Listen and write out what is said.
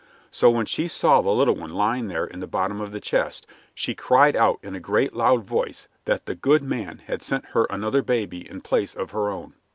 So when she saw the little one lying there in the bottom of the chest, she cried out in a great loud voice that the Good Man had sent her another baby in place of her own.